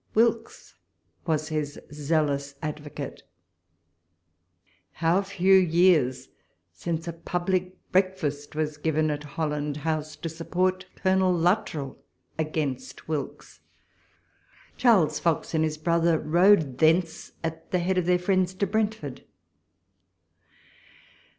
Wilkes was his zealous advocate : how few years since a public breakfast was given at Holland House to support Colonel Lut trell against Wilkes ! Charles Fox and his brother rode thence at the head of their friends to Brentford.